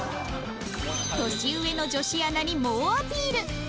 年上の女子アナに猛アピール